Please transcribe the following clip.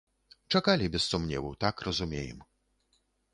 Чакалі без сумневу, так разумеем.